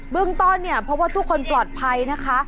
เรื่องต้นเนี่ยเพราะว่าทุกคนปลอดภัยนะคะ